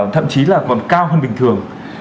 thậm chí là còn cao hơn bình thường